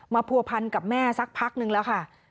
ผัวพันกับแม่สักพักนึงแล้วค่ะ